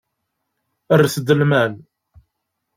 Rret-d lmal